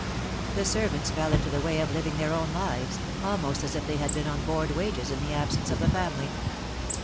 The servants fell into the way of living their own lives_, almost as if they had been on board wages in the absence of the family.